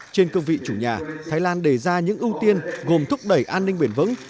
trên cơ vị chủ nhà thái lan đề ra những ưu tiên gồm thúc đẩy an ninh bền vững